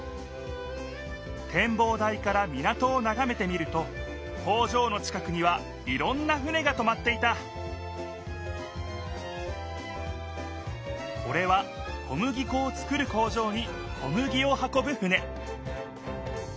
てんぼう台から港をながめてみると工場の近くにはいろんな船がとまっていたこれは小麦こを作る工場に小麦を運ぶ船